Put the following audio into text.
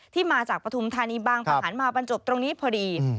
ที่มาจากปฐุมธานีบางประหันมาบรรจบตรงนี้พอดี